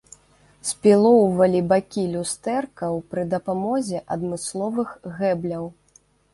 Спілоўвалі бакі люстэркаў пры дапамозе адмысловых гэбляў.